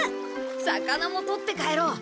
魚もとって帰ろう！